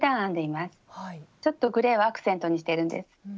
ちょっとグレーをアクセントにしてるんです。